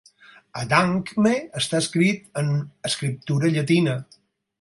Adangme està escrit en escriptura llatina.